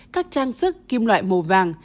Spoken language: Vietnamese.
các trang sức kim loại màu vàng